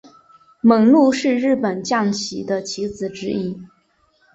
猛鹿是日本将棋的棋子之一。